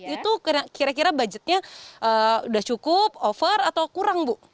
itu kira kira budgetnya sudah cukup over atau kurang bu